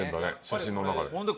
写真の中で。